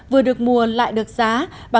vừa được mùa lại được giá